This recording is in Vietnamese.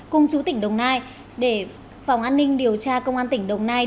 cùng chú tỉnh đồng nai để phòng an ninh điều tra công an tỉnh đồng nai